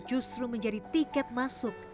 justru menjadi tiket masuk